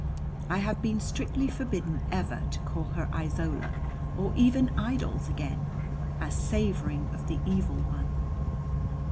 I have been strictly forbidden ever to call her "Isola," or even "Idols," again, as savouring of the evil one.